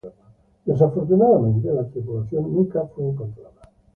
Desafortunadamente, la tripulación nunca fue encontrada.